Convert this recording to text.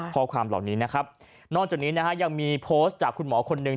ข้อความเหล่านี้นะครับนอกจากนี้นะฮะยังมีโพสต์จากคุณหมอคนหนึ่ง